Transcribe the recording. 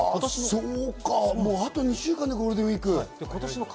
そうか、あと２週間でゴールデンウイーク。